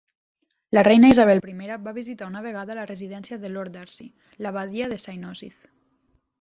La reina Isabel I va visitar una vegada la residència de Lord Darcy, l'abadia de Saint Osyth.